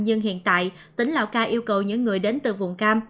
nhưng hiện tại tỉnh lào cai yêu cầu những người đến từ vùng cam